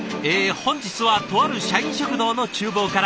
本日はとある社員食堂の厨房から。